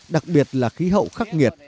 đặc biệt là khí hậu khắc nghiệt